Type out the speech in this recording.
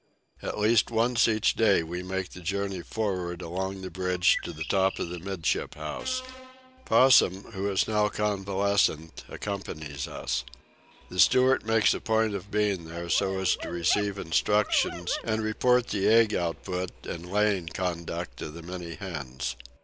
At least once each day we make the journey for'ard along the bridge to the top of the 'midship house. Possum, who is now convalescent, accompanies us. The steward makes a point of being there so as to receive instructions and report the egg output and laying conduct of the many hens.